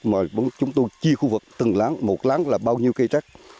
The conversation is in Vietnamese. mà chúng tôi chia khu vực từng láng một láng là bao nhiêu cây trắc